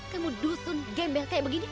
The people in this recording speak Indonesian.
kamu dusun gembel seperti ini